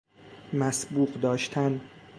مسبوق داشتن